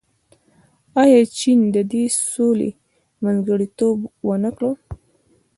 آیا چین د دې سولې منځګړیتوب ونه کړ؟